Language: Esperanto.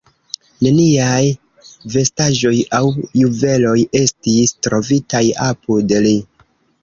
Neniaj vestaĵoj aŭ juveloj estis trovitaj apud li.